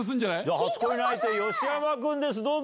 初恋相手、吉山君です、どうぞ。